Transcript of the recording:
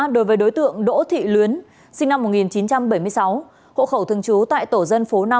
đối với đối tượng đỗ thị luyến sinh năm một nghìn chín trăm bảy mươi sáu hộ khẩu thường trú tại tổ dân phố năm